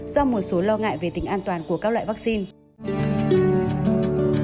do một số lo ngại về tính an toàn của các loại vaccine